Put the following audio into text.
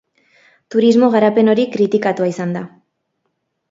Turismo garapen hori kritikatua izan da.